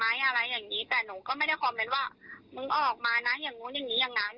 อะไรอย่างนี้แต่หนูก็ไม่ได้คอมเมนต์ว่ามึงออกมานะอย่างนู้นอย่างนี้อย่างนั้น